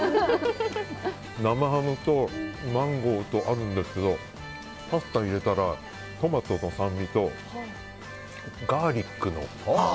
生ハムとマンゴーとあるんですけどパスタに入れたらトマトの酸味とガーリックの。